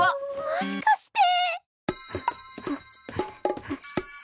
もしかして。